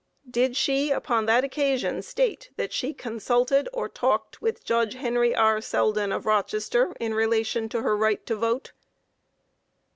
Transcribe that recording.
Q. Did she, upon that occasion, state that she consulted or talked with Judge Henry R. Selden, of Rochester, in relation to her right to vote?